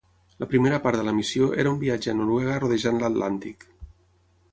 La primera part de la missió era un viatge a Noruega rodejant l"Atlàntic.